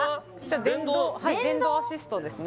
電動・はい電動アシストですね